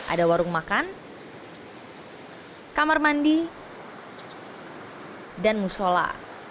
ada warung makan kamar mandi dan musola